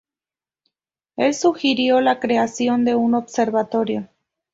Él sugirió la creación de un observatorio.